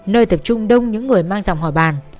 nơi tập trung đông những người mang dòng hòa bàn